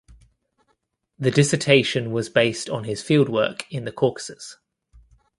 The dissertation was based on his field work in Caucasus.